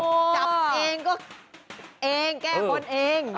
เหมือนกับเอ็งแก้มโบรณ์เอง